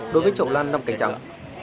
đối với chậu lan năm cánh trắng